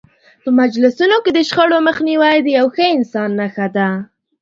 په مجلسونو کې د شخړو مخنیوی د یو ښه انسان نښه ده.